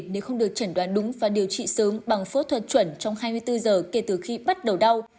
nếu không được chẩn đoán đúng và điều trị sớm bằng phẫu thuật chuẩn trong hai mươi bốn giờ kể từ khi bắt đầu đau